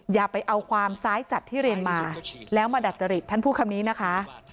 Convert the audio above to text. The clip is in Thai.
อย่าไปเอาความซ้ายจัดที่เรียนมาแล้วมาดัจจริตท่านพูดคำนี้นะคะ